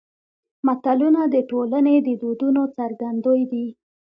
متلونه د ټولنې د دودونو څرګندوی دي